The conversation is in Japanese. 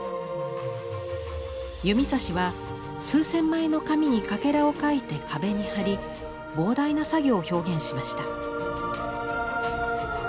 弓指は数千枚の紙にカケラを描いて壁に貼り膨大な作業を表現しました。